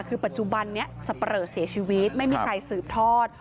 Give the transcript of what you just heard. คือปัจจุบันนี้สับปะเหลอเสียชีวิตไม่มีใครสืบทอด